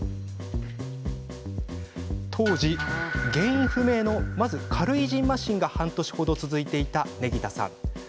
当時、原因不明の軽いじんましんが半年程、続いていた祢宜田さん。